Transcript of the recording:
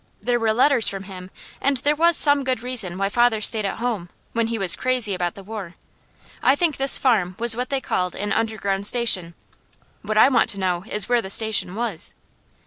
There were letters from him, and there was some good reason why father stayed at home, when he was crazy about the war. I think this farm was what they called an Underground Station. What I want to know is where the station was."